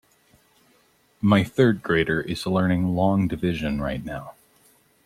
My third grader is learning long division right now.